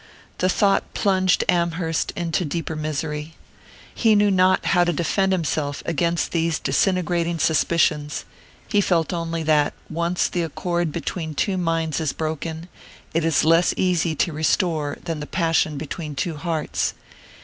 The thought plunged Amherst into deeper misery. He knew not how to defend himself against these disintegrating suspicions he felt only that, once the accord between two minds is broken, it is less easy to restore than the passion between two hearts.